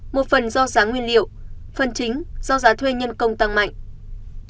một phần do giá nguyên liệu phần chính do giá thuê nhân công tăng mạnh